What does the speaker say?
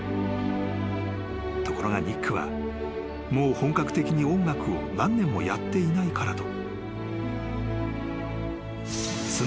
［ところがニックはもう本格的に音楽を何年もやっていないからと］